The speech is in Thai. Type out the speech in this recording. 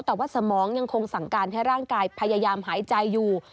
แต่ว่าสมองยังคงสั่งการให้ร่างกายพยายามหายใจอยู่